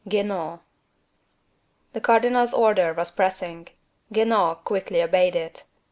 Guenaud. The cardinal's order was pressing; Guenaud quickly obeyed it.